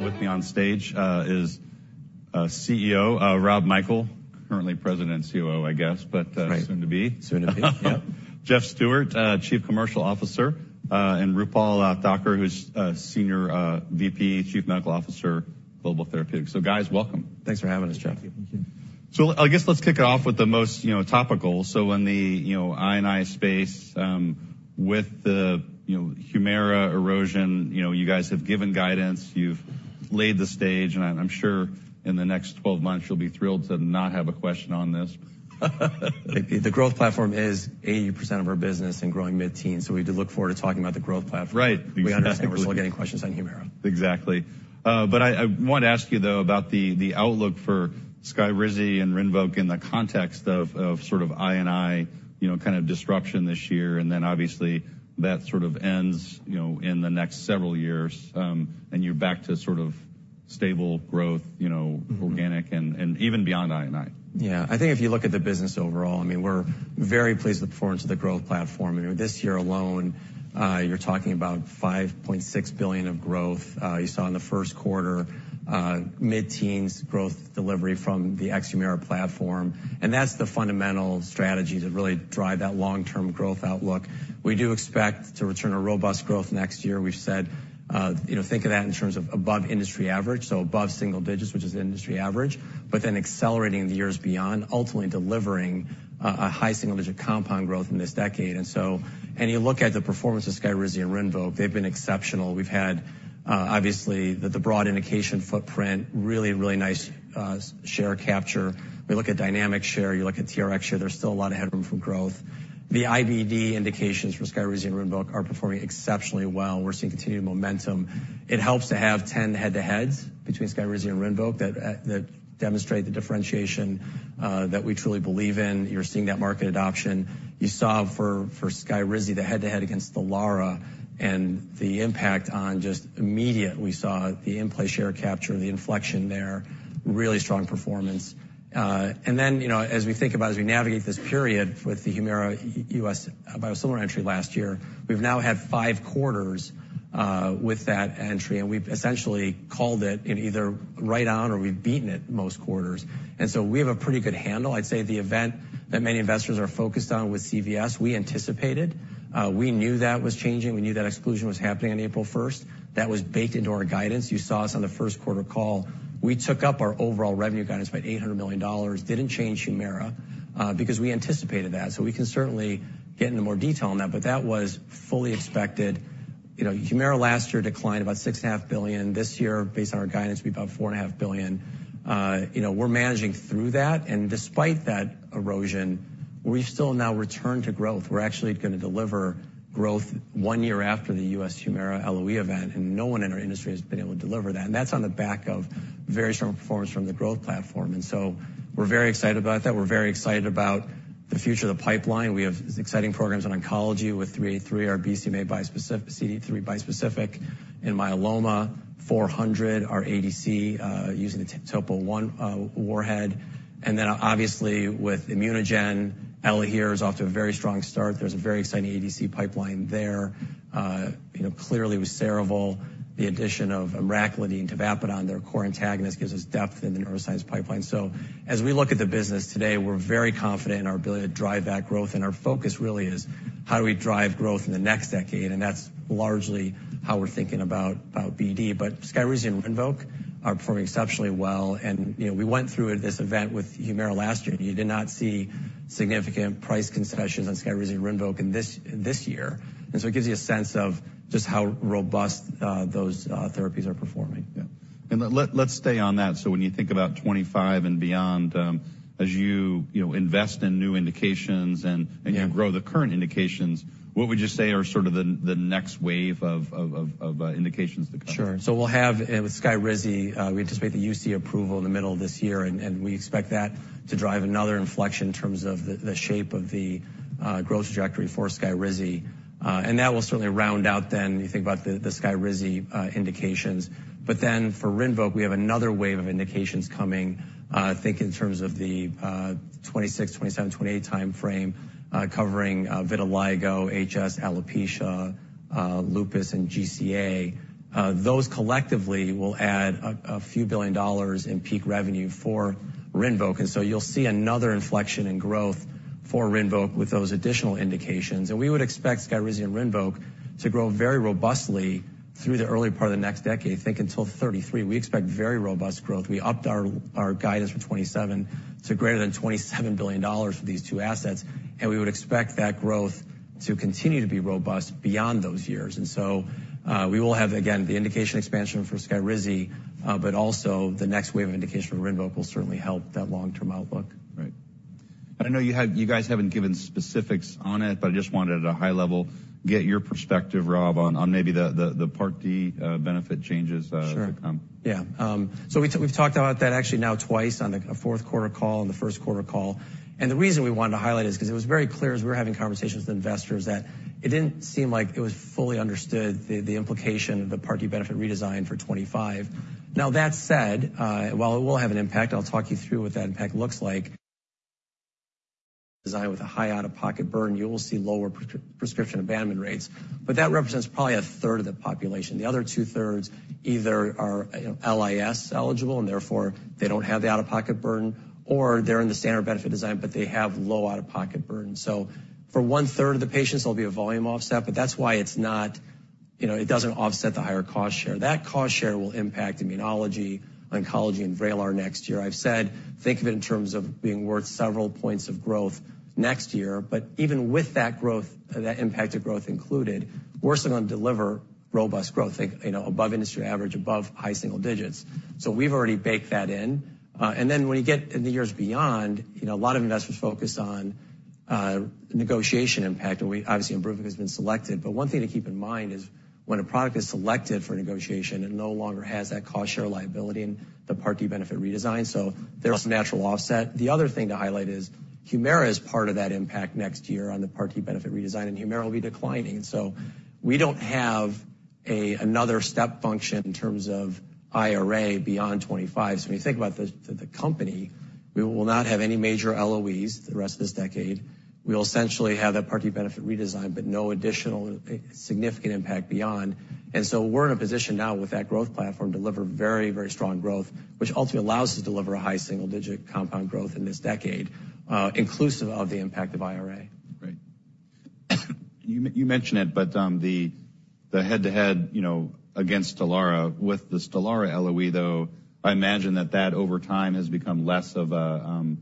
With me on stage is CEO Rob Michael, currently President and COO, I guess, but soon to be. Right. Soon to be, yep. Jeff Stewart, Chief Commercial Officer, and Roopal Thakkar, who's Senior VP, Chief Medical Officer, Global Therapeutics. So guys, welcome. Thanks for having us, Jeff. Thank you. Thank you. I guess let's kick it off with the most, you know, topical. So in the, you know, I&I space, with the, you know, HUMIRA erosion, you know, you guys have given guidance. You've laid the stage, and I'm sure in the next 12 months you'll be thrilled to not have a question on this. The growth platform is 80% of our business and growing mid-teen, so we do look forward to talking about the growth platform. Right. Because you're. We understand we're still getting questions on HUMIRA. Exactly. But I want to ask you, though, about the outlook for SKYRIZI and RINVOQ in the context of sort of I&I, you know, kind of disruption this year, and then obviously that sort of ends, you know, in the next several years, and you're back to sort of stable growth, you know, organic and even beyond I&I. Yeah. I think if you look at the business overall, I mean, we're very pleased with the performance of the growth platform. I mean, this year alone, you're talking about $5.6 billion of growth, you saw in the first quarter, mid-teens growth delivery from the ex-HUMIRA platform, and that's the fundamental strategy to really drive that long-term growth outlook. We do expect to return a robust growth next year. We've said, you know, think of that in terms of above industry average, so above single digits, which is industry average, but then accelerating the years beyond, ultimately delivering, a high single-digit compound growth in this decade. And so you look at the performance of SKYRIZI and RINVOQ, they've been exceptional. We've had, obviously the, the broad indication footprint, really, really nice, share capture. We look at dynamic share. You look at TRX share. There's still a lot of headroom for growth. The IBD indications for SKYRIZI and RINVOQ are performing exceptionally well. We're seeing continued momentum. It helps to have 10 head-to-heads between SKYRIZI and RINVOQ that demonstrate the differentiation that we truly believe in. You're seeing that market adoption. You saw for SKYRIZI the head-to-head against the STELARA, and the impact on just immediately saw the in-play share capture, the inflection there, really strong performance. And then, you know, as we think about as we navigate this period with the HUMIRA US biosimilar entry last year, we've now had five quarters with that entry, and we've essentially called it, you know, either right on or we've beaten it most quarters. And so we have a pretty good handle. I'd say the event that many investors are focused on with CVS, we anticipated. We knew that was changing. We knew that exclusion was happening on April 1st. That was baked into our guidance. You saw us on the first quarter call. We took up our overall revenue guidance by $800 million, didn't change HUMIRA, because we anticipated that. So we can certainly get into more detail on that, but that was fully expected. You know, HUMIRA last year declined about $6.5 billion. This year, based on our guidance, we're about $4.5 billion. You know, we're managing through that, and despite that erosion, we've still now returned to growth. We're actually going to deliver growth one year after the US HUMIRA LOE event, and no one in our industry has been able to deliver that. And that's on the back of very strong performance from the growth platform. And so we're very excited about that. We're very excited about the future of the pipeline. We have exciting programs in oncology with 383, our BCMA bispecific, CD3 bispecific, and myeloma, 400, our ADC, using the Topo I warhead. And then obviously with ImmunoGen, ELAHERE is off to a very strong start. There's a very exciting ADC pipeline there. You know, clearly with Cerevel, the addition of emraclidine to tavapadon, their core antagonist, gives us depth in the neuroscience pipeline. So as we look at the business today, we're very confident in our ability to drive that growth, and our focus really is how do we drive growth in the next decade, and that's largely how we're thinking about BD. But SKYRIZI and RINVOQ are performing exceptionally well, and, you know, we went through this event with HUMIRA last year, and you did not see significant price concessions on SKYRIZI and RINVOQ in this year. And so it gives you a sense of just how robust those therapies are performing. Yeah. Let's stay on that. So when you think about 2025 and beyond, as you know, invest in new indications and you grow the current indications, what would you say are sort of the next wave of indications to come? Sure. So we'll have with SKYRIZI, we anticipate the UC approval in the middle of this year, and we expect that to drive another inflection in terms of the shape of the growth trajectory for SKYRIZI. And that will certainly round out then you think about the SKYRIZI indications. But then for RINVOQ, we have another wave of indications coming, I think in terms of the 2026, 2027, 2028 time frame, covering vitiligo, HS, alopecia, lupus, and GCA. Those collectively will add $a few billion in peak revenue for RINVOQ. And so you'll see another inflection in growth for RINVOQ with those additional indications. And we would expect SKYRIZI and RINVOQ to grow very robustly through the early part of the next decade, think until 2033. We expect very robust growth. We upped our guidance for 2027 to greater than $27 billion for these two assets, and we would expect that growth to continue to be robust beyond those years. And so, we will have, again, the indication expansion for SKYRIZI, but also the next wave of indication for RINVOQ will certainly help that long-term outlook. Right. And I know you guys haven't given specifics on it, but I just wanted at a high level get your perspective, Rob, on maybe the Part D benefit changes to come. Sure. Yeah. So we've, we've talked about that actually now twice on the fourth quarter call and the first quarter call. And the reason we wanted to highlight it is because it was very clear as we were having conversations with investors that it didn't seem like it was fully understood the, the implication of the Part D benefit redesign for 2025. Now that said, while it will have an impact, I'll talk you through what that impact looks like. Design with a high out-of-pocket burden, you will see lower prescription abandonment rates, but that represents probably a third of the population. The other two-thirds either are, you know, LIS eligible, and therefore they don't have the out-of-pocket burden, or they're in the standard benefit design, but they have low out-of-pocket burden. So for one-third of the patients, there'll be a volume offset, but that's why it's not, you know, it doesn't offset the higher cost share. That cost share will impact immunology, oncology, and VRAYLAR next year. I've said think of it in terms of being worth several points of growth next year, but even with that growth, that impacted growth included, we're still going to deliver robust growth, think, you know, above industry average, above high single digits. So we've already baked that in. And then when you get in the years beyond, you know, a lot of investors focus on, negotiation impact, and we obviously IMBRUVICA has been selected. But one thing to keep in mind is when a product is selected for negotiation and no longer has that cost share liability and the Part D benefit redesign, so there's a natural offset. The other thing to highlight is HUMIRA is part of that impact next year on the Part D benefit redesign, and HUMIRA will be declining. And so we don't have another step function in terms of IRA beyond 2025. So when you think about the company, we will not have any major LOEs the rest of this decade. We'll essentially have that Part D benefit redesign, but no additional significant impact beyond. And so we're in a position now with that growth platform to deliver very, very strong growth, which ultimately allows us to deliver a high single-digit compound growth in this decade, inclusive of the impact of IRA. Right. And you mentioned it, but the head-to-head, you know, against Stelara with the Stelara LOE, though, I imagine that over time has become less of a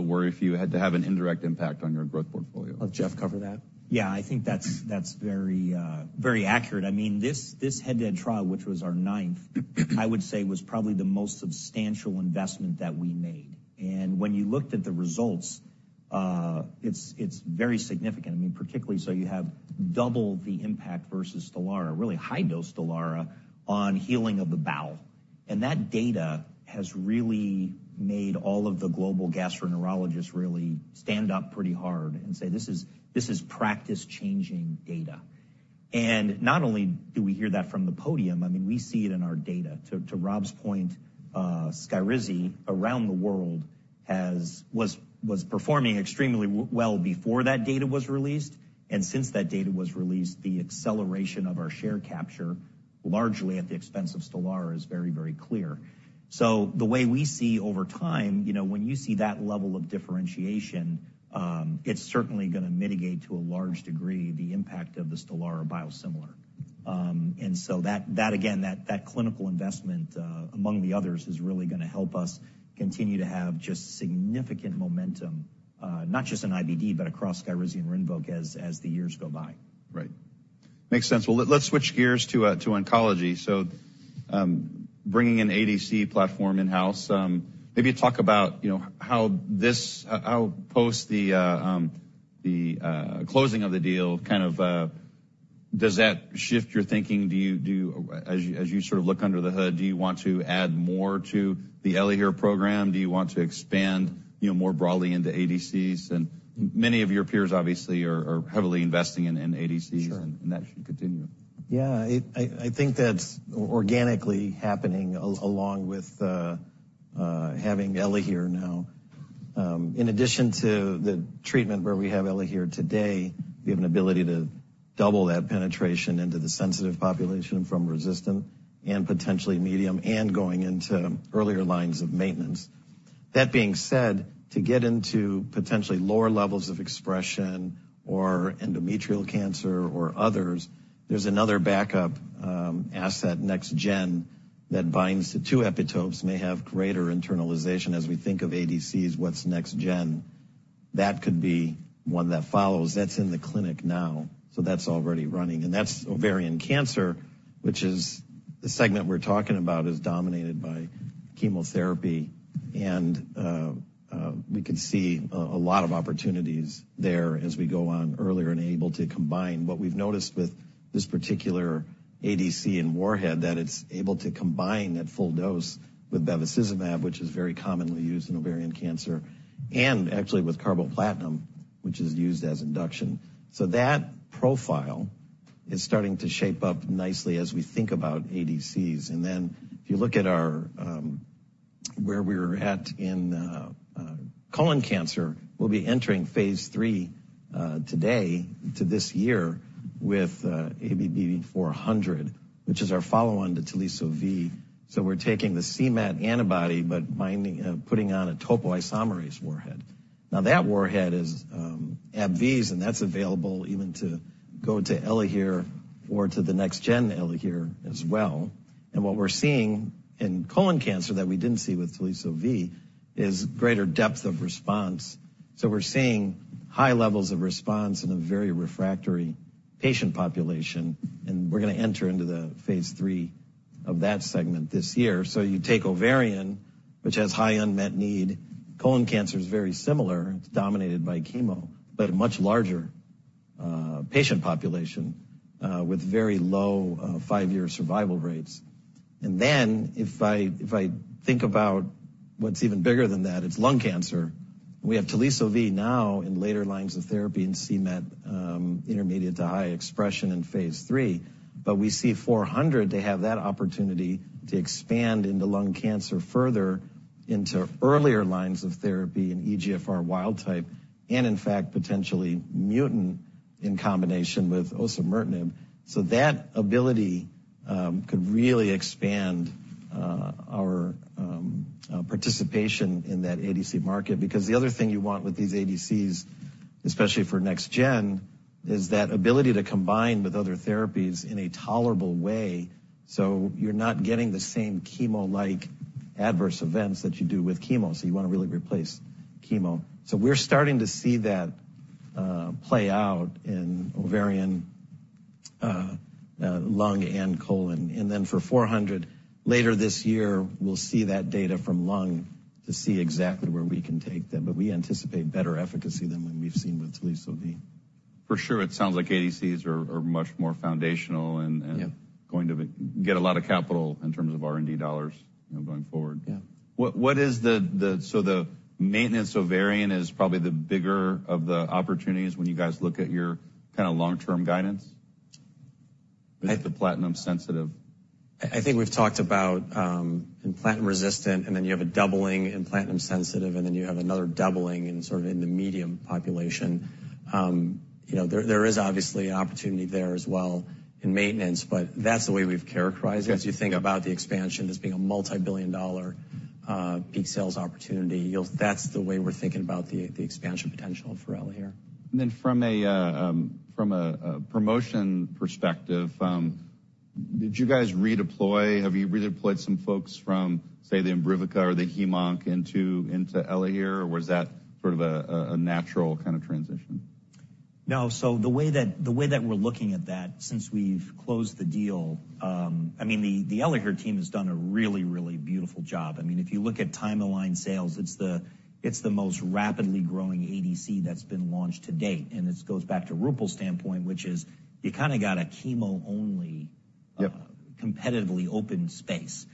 worry for you had to have an indirect impact on your growth portfolio. Let Jeff cover that. Yeah. I think that's, that's very, very accurate. I mean, this, this head-to-head trial, which was our ninth, I would say was probably the most substantial investment that we made. And when you looked at the results, it's, it's very significant. I mean, particularly so you have double the impact versus STELARA, really high-dose STELARA on healing of the bowel, and that data has really made all of the global gastroenterologists really stand up pretty hard and say, "This is, this is practice-changing data." And not only do we hear that from the podium, I mean, we see it in our data. To, to Rob's point, SKYRIZI around the world was performing extremely well before that data was released, and since that data was released, the acceleration of our share capture, largely at the expense of STELARA, is very, very clear. So the way we see over time, you know, when you see that level of differentiation, it's certainly going to mitigate to a large degree the impact of the STELARA biosimilar. And so that again, that clinical investment, among the others, is really going to help us continue to have just significant momentum, not just in IBD, but across SKYRIZI and RINVOQ as the years go by. Right. Makes sense. Well, let's switch gears to oncology. So, bringing an ADC platform in-house, maybe talk about, you know, how post the closing of the deal kind of does that shift your thinking? Do you as you sort of look under the hood, do you want to add more to the ELAHERE program? Do you want to expand, you know, more broadly into ADCs? And many of your peers obviously are heavily investing in ADCs, and that should continue. Sure. Yeah. I think that's organically happening along with having ELAHERE now. In addition to the treatment where we have ELAHERE today, we have an ability to double that penetration into the sensitive population from resistant and potentially medium and going into earlier lines of maintenance. That being said, to get into potentially lower levels of expression or endometrial cancer or others, there's another backup asset, next-gen, that binds to two epitopes, may have greater internalization. As we think of ADCs, what's next-gen? That could be one that follows. That's in the clinic now, so that's already running. That's ovarian cancer, which is the segment we're talking about is dominated by chemotherapy, and we can see a lot of opportunities there as we go on earlier and able to combine what we've noticed with this particular ADC in warhead, that it's able to combine at full dose with bevacizumab, which is very commonly used in ovarian cancer, and actually with carboplatin, which is used as induction. So that profile is starting to shape up nicely as we think about ADCs. Then if you look at our where we were at in colon cancer, we'll be entering phase III today to this year with ABBV-400, which is our follow-on to Teliso-V. So we're taking the c-Met antibody but binding, putting on a topoisomerase warhead. Now that warhead is AbbVie's, and that's available even to go to ELAHERE or to the next-gen ELAHERE as well. What we're seeing in colon cancer that we didn't see with Teliso-V is greater depth of response. So we're seeing high levels of response in a very refractory patient population, and we're going to enter into the phase III of that segment this year. You take ovarian, which has high unmet need. Colon cancer is very similar. It's dominated by chemo, but a much larger patient population, with very low five-year survival rates. Then if I think about what's even bigger than that, it's lung cancer. We have Teliso-V now in later lines of therapy in c-Met, intermediate to high expression in phase III, but we see ABBV-400 to have that opportunity to expand into lung cancer further into earlier lines of therapy in EGFR wild type and, in fact, potentially mutant in combination with osimertinib. So that ability could really expand our participation in that ADC market because the other thing you want with these ADCs, especially for next-gen, is that ability to combine with other therapies in a tolerable way so you're not getting the same chemo-like adverse events that you do with chemo. So you want to really replace chemo. So we're starting to see that play out in ovarian, lung and colon. And then for ABBV-400, later this year, we'll see that data from lung to see exactly where we can take them, but we anticipate better efficacy than when we've seen with Teliso-V. For sure. It sounds like ADCs are much more foundational and. Yeah. Going to get a lot of capital in terms of R&D dollars, you know, going forward. Yeah. So the maintenance ovarian is probably the bigger of the opportunities when you guys look at your kind of long-term guidance with the platinum-sensitive? I think we've talked about in platinum-resistant, and then you have a doubling in platinum-sensitive, and then you have another doubling in sort of in the medium population. You know, there is obviously an opportunity there as well in maintenance, but that's the way we've characterized it. As you think about the expansion as being a multi-billion-dollar peak sales opportunity, you'll, that's the way we're thinking about the expansion potential for ELAHERE. Then from a promotion perspective, have you redeployed some folks from, say, the IMBRUVICA or the hem/onc into ELAHERE, or was that sort of a natural kind of transition? No. So the way that we're looking at that since we've closed the deal, I mean, the ELAHERE team has done a really, really beautiful job. I mean, if you look at timeline sales, it's the most rapidly growing ADC that's been launched to date. And this goes back to Roopal's standpoint, which is you kind of got a chemo-only, Yep. Competitively open space.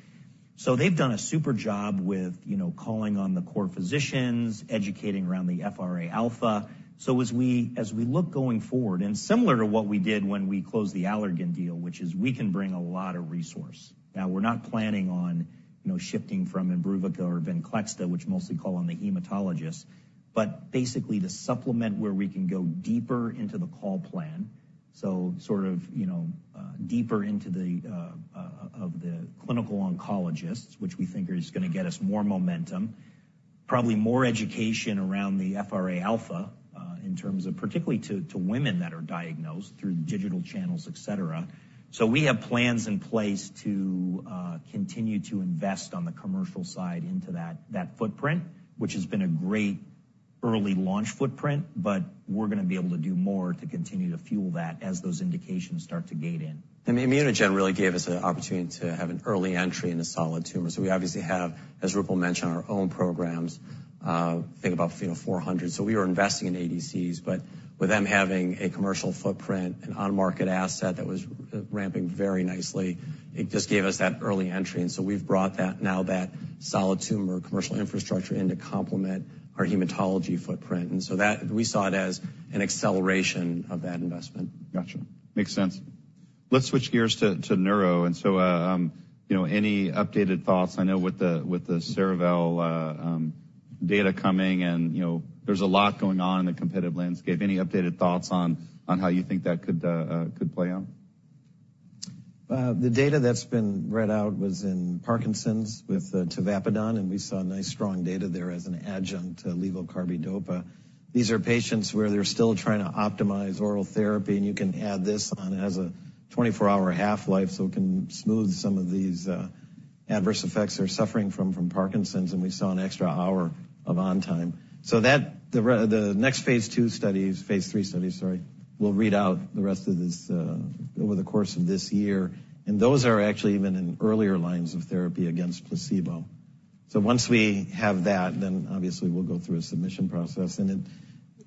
So they've done a super job with, you know, calling on the core physicians, educating around the FR-alpha. So as we look going forward, and similar to what we did when we closed the Allergan deal, which is we can bring a lot of resource. Now we're not planning on, you know, shifting from IMBRUVICA or VENCLEXTA, which mostly call on the hematologists, but basically to supplement where we can go deeper into the call plan, so sort of, you know, deeper into the, of the clinical oncologists, which we think is going to get us more momentum, probably more education around the FR-alpha, in terms of particularly to women that are diagnosed through digital channels, etc. We have plans in place to continue to invest on the commercial side into that footprint, which has been a great early launch footprint, but we're going to be able to do more to continue to fuel that as those indications start to gate in. I mean, ImmunoGen really gave us an opportunity to have an early entry in a solid tumor. So we obviously have, as Roopal mentioned, our own programs. Think about, you know, ABBV-400. So we were investing in ADCs, but with them having a commercial footprint, an on-market asset that was ramping very nicely, it just gave us that early entry. And so we've brought that now that solid tumor commercial infrastructure in to complement our hematology footprint. And so that we saw it as an acceleration of that investment. Gotcha. Makes sense. Let's switch gears to neuro. And so, you know, any updated thoughts? I know with the Cerevel data coming and, you know, there's a lot going on in the competitive landscape. Any updated thoughts on how you think that could play out? The data that's been read out was in Parkinson's with the tavapadon, and we saw nice strong data there as an adjunct to levodopa/carbidopa. These are patients where they're still trying to optimize oral therapy, and you can add this on. It has a 24-hour half-life, so it can smooth some of these adverse effects they're suffering from from Parkinson's, and we saw an extra hour of on time. So that the next phase II studies, phase III studies, sorry, we'll read out the rest of this over the course of this year. And those are actually even in earlier lines of therapy against placebo. So once we have that, then obviously we'll go through a submission process, and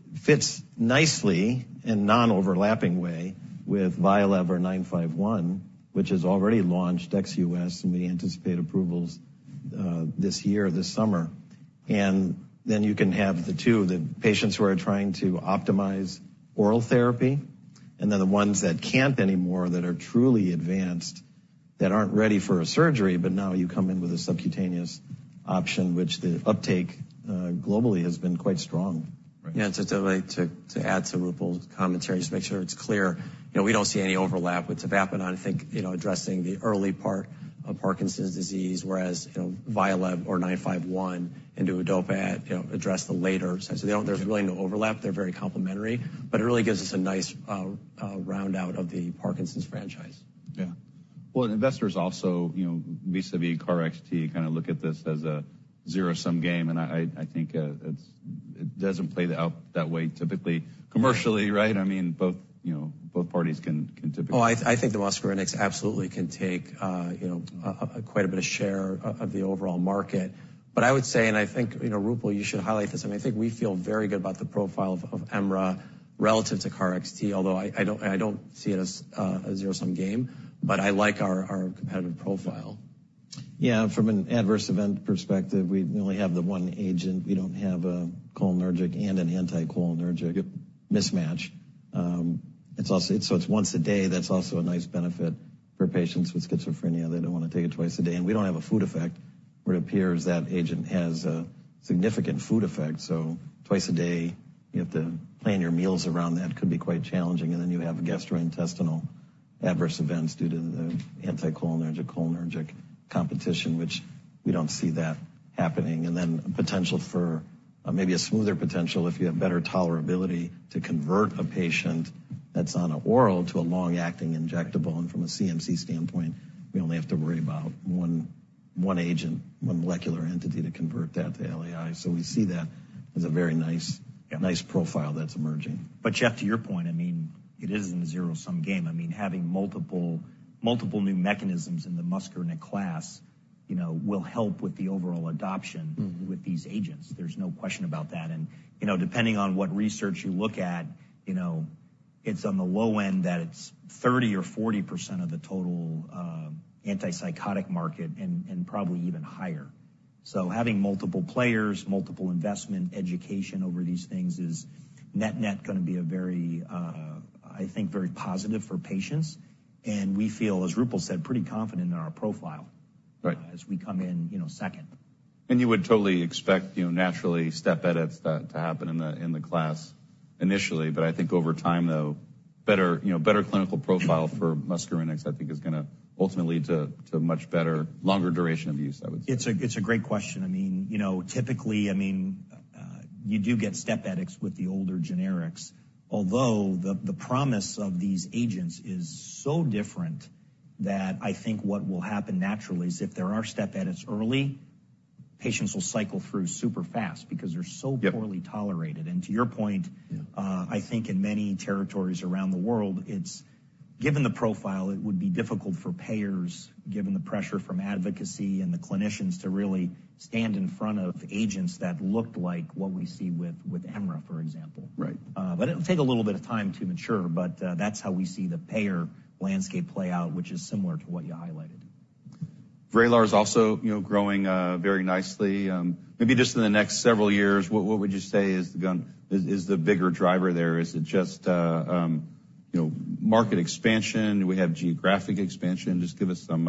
it fits nicely in non-overlapping way with VYALEV or ABBV-951, which is already launched ex-US, and we anticipate approvals this year, this summer. And then you can have the two, the patients who are trying to optimize oral therapy and then the ones that can't anymore that are truly advanced that aren't ready for a surgery, but now you come in with a subcutaneous option, which the uptake, globally, has been quite strong. Right. Yeah. And to add to Roopal's commentary just to make sure it's clear, you know, we don't see any overlap with tavapadon. I think, you know, addressing the early part of Parkinson's disease, whereas, you know, VYALEV or 951 and DUOPA, you know, address the later side. So they don't, there's really no overlap. They're very complementary, but it really gives us a nice round out of the Parkinson's franchise. Yeah. Well, investors also, you know, vis-à-vis KarXT, kind of look at this as a zero-sum game, and I think it doesn't play out that way typically commercially, right? I mean, both, you know, both parties can typically. Oh, I think the muscarinics absolutely can take, you know, quite a bit of share of the overall market. But I would say, and I think, you know, Roopal, you should highlight this. I mean, I think we feel very good about the profile of Emra relative to KarXT, although I don't see it as a zero-sum game, but I like our competitive profile. Yeah. From an adverse event perspective, we only have the one agent. We don't have a cholinergic and an anti-cholinergic. Yep. Mismatch. It's also—it's so—it's once a day. That's also a nice benefit for patients with schizophrenia. They don't want to take it twice a day. We don't have a food effect, where it appears that agent has a significant food effect. So twice a day, you have to plan your meals around that. Could be quite challenging. Then you have gastrointestinal adverse events due to the anti-cholinergic, cholinergic competition, which we don't see that happening. Then potential for, maybe a smoother potential if you have better tolerability to convert a patient that's on an oral to a long-acting injectable. From a CMC standpoint, we only have to worry about one, one agent, one molecular entity to convert that to LAI. So we see that as a very nice. Yeah. Nice profile that's emerging. But Jeff, to your point, I mean, it isn't a zero-sum game. I mean, having multiple, multiple new mechanisms in the Muscarinic class, you know, will help with the overall adoption. Mm-hmm. With these agents. There's no question about that. You know, depending on what research you look at, you know, it's on the low end that it's 30% or 40% of the total antipsychotic market and probably even higher. So having multiple players, multiple investment, education over these things is net-net going to be a very, I think, very positive for patients. And we feel, as Roopal said, pretty confident in our profile. Right. As we come in, you know, second. You would totally expect, you know, naturally step edits to happen in the class initially. But I think over time, though, better, you know, better clinical profile for muscarinics, I think, is going to ultimately lead to much better, longer duration of use, I would say. It's a great question. I mean, you know, typically, I mean, you do get step edits with the older generics, although the promise of these agents is so different that I think what will happen naturally is if there are step edits early, patients will cycle through super fast because they're so poorly tolerated. And to your point. Yeah. I think in many territories around the world, it's given the profile, it would be difficult for payers, given the pressure from advocacy and the clinicians, to really stand in front of agents that looked like what we see with, with Emra, for example. Right. But it'll take a little bit of time to mature. But, that's how we see the payer landscape play out, which is similar to what you highlighted. VRAYLAR is also, you know, growing, very nicely. Maybe just in the next several years, what would you say is the one, is the bigger driver there? Is it just, you know, market expansion? Do we have geographic expansion? Just give us some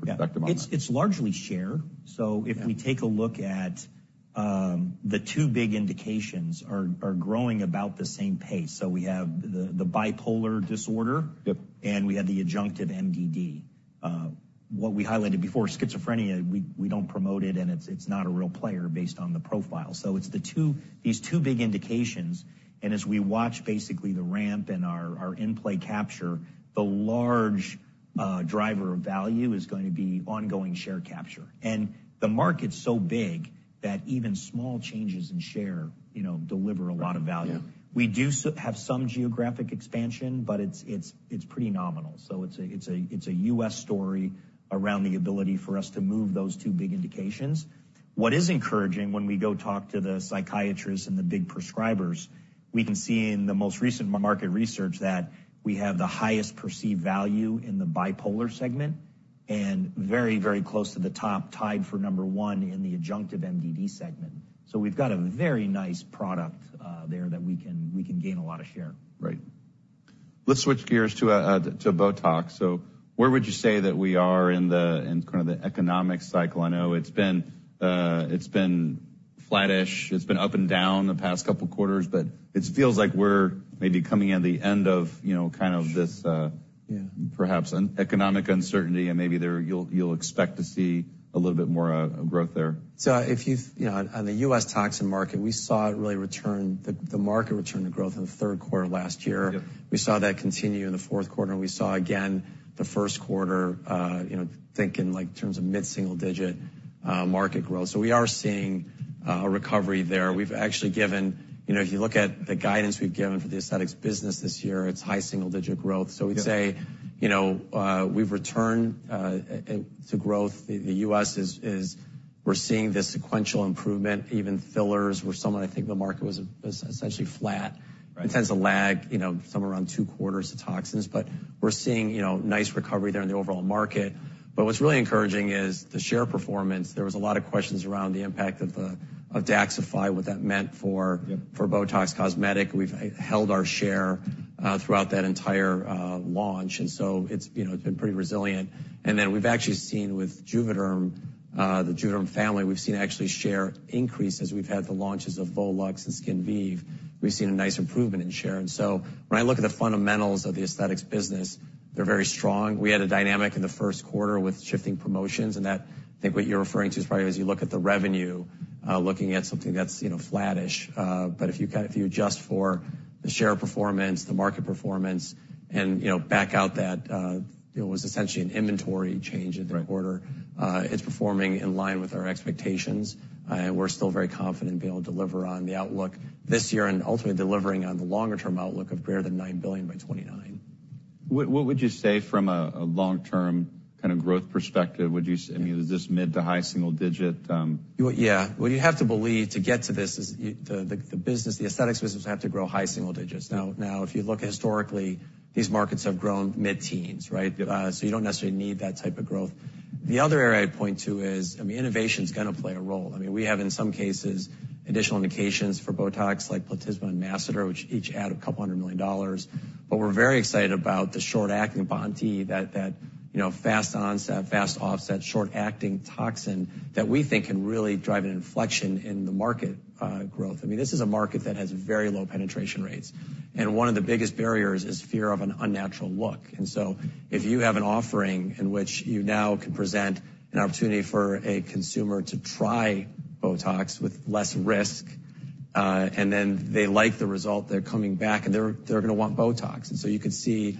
perspective on that. Yeah. It's, it's largely share. So if we take a look at the two big indications are, are growing about the same pace. So we have the, the bipolar disorder. Yep. We have the adjunctive MDD, what we highlighted before, schizophrenia. We, we don't promote it, and it's, it's not a real player based on the profile. So it's the two these two big indications. As we watch basically the ramp and our, our in-play capture, the large driver of value is going to be ongoing share capture. The market's so big that even small changes in share, you know, deliver a lot of value. Yeah. We do so have some geographic expansion, but it's pretty nominal. So it's a U.S. story around the ability for us to move those two big indications. What is encouraging when we go talk to the psychiatrists and the big prescribers, we can see in the most recent market research that we have the highest perceived value in the bipolar segment and very, very close to the top, tied for number one in the adjunctive MDD segment. So we've got a very nice product there that we can gain a lot of share. Right. Let's switch gears to, to BOTOX. So where would you say that we are in the kind of the economic cycle? I know it's been, it's been flattish. It's been up and down the past couple quarters, but it feels like we're maybe coming at the end of, you know, kind of this, Yeah. Perhaps under economic uncertainty, and maybe there you'll expect to see a little bit more growth there. So, if you've, you know, on the U.S. toxin market, we saw it really return, the market returned to growth in the third quarter last year. Yep. We saw that continue in the fourth quarter. We saw again the first quarter, you know, think in, like, terms of mid-single-digit market growth. So we are seeing a recovery there. We've actually given you know, if you look at the guidance we've given for the aesthetics business this year, it's high single-digit growth. So we'd say. Yep. You know, we've returned to growth. The U.S., we're seeing this sequential improvement. Even fillers were somewhat, I think, the market was essentially flat. Right. It tends to lag, you know, somewhere around two quarters of toxins, but we're seeing, you know, nice recovery there in the overall market. But what's really encouraging is the share performance. There was a lot of questions around the impact of DAXXIFY, what that meant for. Yep. For BOTOX Cosmetic. We've held our share, throughout that entire, launch. And so it's, you know, it's been pretty resilient. And then we've actually seen with JUVÉDERM, the JUVÉDERM family, we've seen actually share increase as we've had the launches of JUVÉDERM VOLUX and SKINVIVE. We've seen a nice improvement in share. And so when I look at the fundamentals of the aesthetics business, they're very strong. We had a dynamic in the first quarter with shifting promotions, and that I think what you're referring to is probably as you look at the revenue, looking at something that's, you know, flattish, but if you kind of if you kind of adjust for the share performance, the market performance, and, you know, back out that, you know, it was essentially an inventory change in the quarter. Right. It's performing in line with our expectations, and we're still very confident in being able to deliver on the outlook this year and ultimately delivering on the longer-term outlook of greater than $9 billion by 2029. What would you say from a long-term kind of growth perspective? Would you say, I mean, is this mid- to high-single-digit, You would, yeah. What you'd have to believe to get to this is the business, the aesthetics business, will have to grow high single digits. Now, if you look historically, these markets have grown mid-teens, right? Yep. So you don't necessarily need that type of growth. The other area I'd point to is, I mean, innovation's going to play a role. I mean, we have, in some cases, additional indications for BOTOX like platysma and masseter, which each add $200 million. But we're very excited about the short-acting BoNT/E, that you know, fast onset, fast offset, short-acting toxin that we think can really drive an inflection in the market, growth. I mean, this is a market that has very low penetration rates. And one of the biggest barriers is fear of an unnatural look. And so if you have an offering in which you now can present an opportunity for a consumer to try BOTOX with less risk, and then they like the result, they're coming back, and they're going to want BOTOX. And so you could see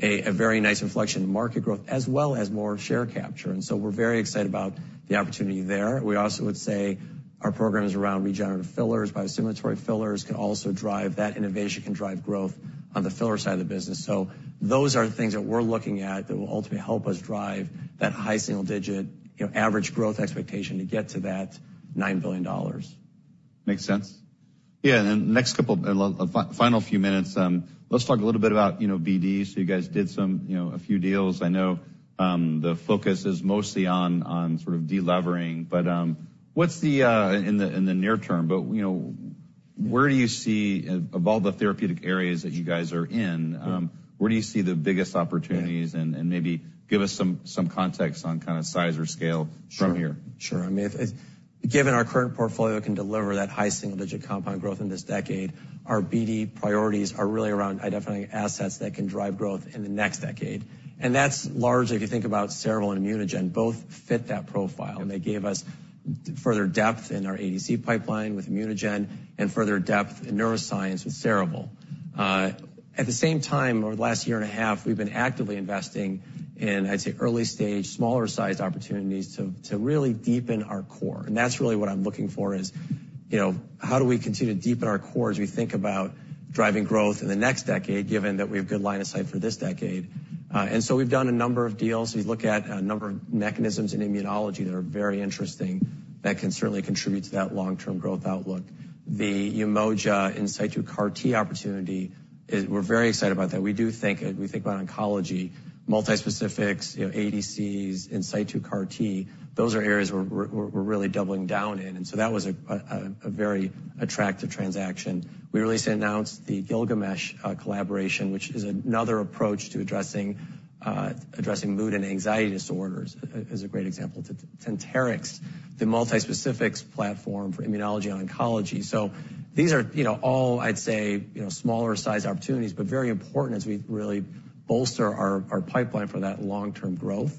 a very nice inflection in market growth as well as more share capture. And so we're very excited about the opportunity there. We also would say our programs around regenerative fillers, biostimulatory fillers can also drive that innovation can drive growth on the filler side of the business. So those are things that we're looking at that will ultimately help us drive that high single digit, you know, average growth expectation to get to that $9 billion. Makes sense. Yeah. And then next couple, and final few minutes, let's talk a little bit about, you know, BD. So you guys did some, you know, a few deals. I know, the focus is mostly on, on sort of delevering, but, what's the in the near term, but, you know, where do you see of all the therapeutic areas that you guys are in, where do you see the biggest opportunities? And maybe give us some, some context on kind of size or scale from here. Sure. Sure. I mean, if given our current portfolio can deliver that high single-digit compound growth in this decade, our BD priorities are really around identifying assets that can drive growth in the next decade. And that's large, if you think about Cerevel and ImmunoGen, both fit that profile, and they gave us further depth in our ADC pipeline with ImmunoGen and further depth in neuroscience with Cerevel. At the same time, over the last year and a half, we've been actively investing in, I'd say, early-stage, smaller-sized opportunities to really deepen our core. And that's really what I'm looking for is, you know, how do we continue to deepen our core as we think about driving growth in the next decade, given that we have good line of sight for this decade? And so we've done a number of deals. If you look at a number of mechanisms in immunology that are very interesting that can certainly contribute to that long-term growth outlook. The Umoja in situ CAR-T opportunity is, we're very excited about that. We do think we think about oncology, multispecifics, you know, ADCs, in situ CAR-T. Those are areas where we're, we're, we're really doubling down in. And so that was a very attractive transaction. We recently announced the Gilgamesh collaboration, which is another approach to addressing mood and anxiety disorders, is a great example, to Tentarix, the multispecifics platform for immunology and oncology. So these are, you know, all, I'd say, you know, smaller-sized opportunities but very important as we really bolster our pipeline for that long-term growth.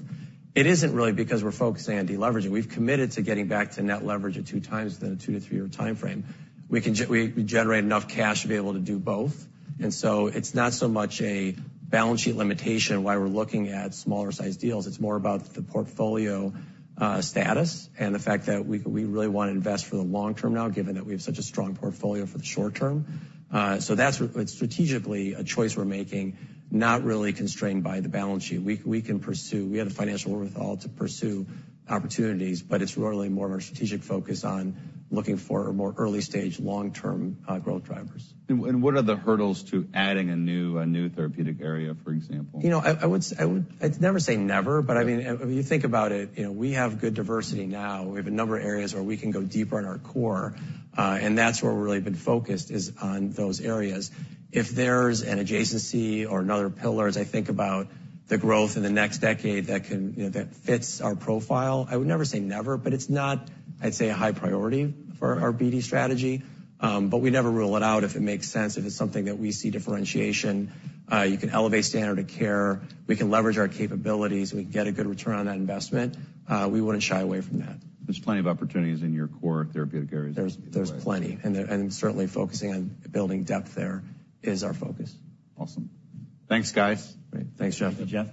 It isn't really because we're focusing on deleveraging. We've committed to getting back to net leverage at 2x in a 2- to 3-year timeframe. We can generate enough cash to be able to do both. So it's not so much a balance sheet limitation why we're looking at smaller-sized deals. It's more about the portfolio status and the fact that we really want to invest for the long term now, given that we have such a strong portfolio for the short term. So that's strategically a choice we're making, not really constrained by the balance sheet. We can pursue. We have the financial wherewithal to pursue opportunities, but it's really more of a strategic focus on looking for more early-stage, long-term growth drivers. What are the hurdles to adding a new therapeutic area, for example? You know, I would, I'd never say never, but I mean, if you think about it, you know, we have good diversity now. We have a number of areas where we can go deeper in our core, and that's where we've really been focused is on those areas. If there's an adjacency or another pillar, as I think about the growth in the next decade that can, you know, that fits our profile, I would never say never, but it's not, I'd say, a high priority for our BD strategy. But we never rule it out if it makes sense, if it's something that we see differentiation. You can elevate standard of care. We can leverage our capabilities. We can get a good return on that investment. We wouldn't shy away from that. There's plenty of opportunities in your core therapeutic areas. There's plenty. And certainly focusing on building depth there is our focus. Awesome. Thanks, guys. Great. Thanks, Jeffrey. Thank you, Jeff.